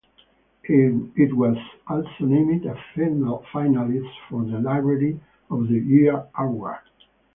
It was also named a finalist for the Library of the Year award.